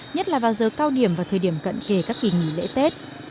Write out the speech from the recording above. nhất là vào giờ cao điểm và thời điểm cận kề các kỳ nghỉ lễ tết